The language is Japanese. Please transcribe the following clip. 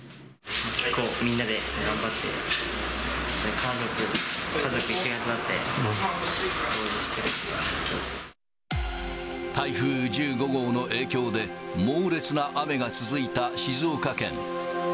みんなで頑張って、家族一丸となって、台風１５号の影響で、猛烈な雨が続いた静岡県。